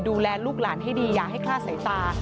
ดูแลลูกหลานให้ดีอย่าให้คลาดสายตา